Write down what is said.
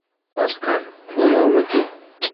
Oscar, বল আমাকে।